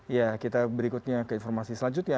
ya kita berikutnya ke informasi selanjutnya